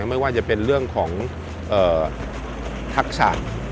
ไม่ว่าจะเป็นเรื่องของทักษะ